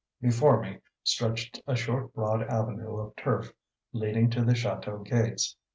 Before me stretched a short broad avenue of turf, leading to the chateau gates.